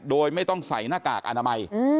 โดยไม่ต้องใส่หน้ากากอนามัย